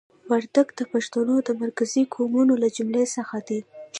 وردګ د پښتنو د مرکزي قومونو له جملې څخه دي.